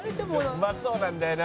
「うまそうなんだよな。